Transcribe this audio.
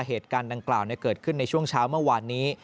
เหตุการณ์ดังกล่าวเกิดขึ้นในช่วงเช้าเมื่อวานนี้